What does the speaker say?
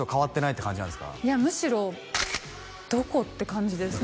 いやむしろどこ？って感じです